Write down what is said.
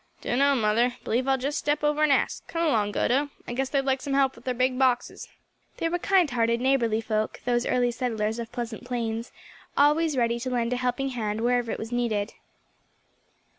"Dunno, mother; b'lieve I'll jest step over and ask. Come along Goto, I guess they'd like some help with them thar big boxes." They were kind hearted, neighborly folk those early settlers of Pleasant Plains, always ready to lend a helping hand wherever it was needed.